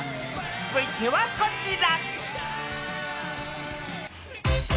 続いてはこちら。